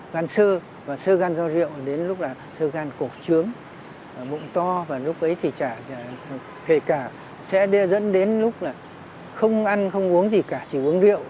gan sơ và sơ gan do rượu đến lúc là sơ gan cổ trướng bụng to và lúc ấy thì chả kể cả sẽ đe dẫn đến lúc là không ăn không uống gì cả chỉ uống rượu